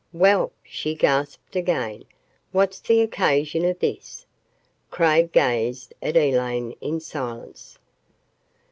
"Well," she gasped again, "what's the occasion of THIS?" Craig gazed at Elaine in silence.